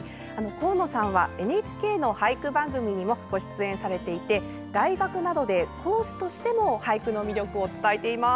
神野さんは、ＮＨＫの俳句番組にもご出演されていて大学などで講師としても俳句の魅力を伝えています。